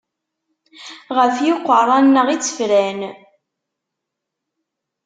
Ɣef yiqerra-nneɣ i tt-fran.